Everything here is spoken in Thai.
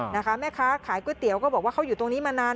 แม่ค้าขายก๋วยเตี๋ยวก็บอกว่าเขาอยู่ตรงนี้มานาน